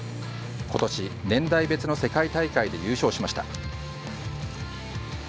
今年、年代別の世界大会で優勝しました。